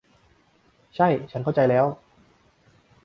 ใช่ ฉันเข้าใจแล้ว